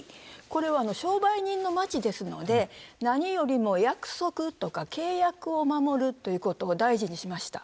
これは商売人の街ですので何よりも約束とか契約を守るということを大事にしました。